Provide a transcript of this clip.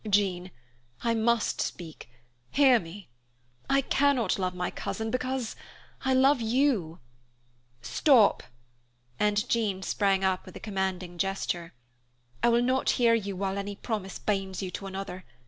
"Jean, I must speak; hear me. I cannot love my cousin, because I love you." "Stop!" And Jean sprang up with a commanding gesture. "I will not hear you while any promise binds you to another.